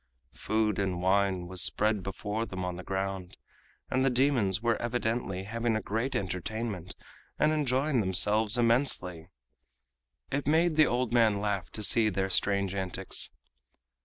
Food and wine was spread before them on the ground, and the demons were evidently having a great entertainment and enjoying themselves immensely. It made the old man laugh to see their strange antics.